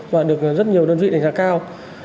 và được rất nhiều đơn vị đánh giá cao